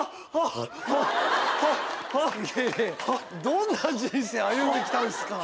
どんな人生歩んできたんすか？